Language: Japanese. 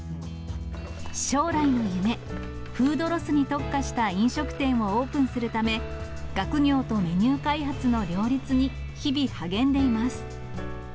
将来の夢、フードロスに特化した飲食店をオープンするため、学業とメニュー開発の両立に、日々、励んでいます。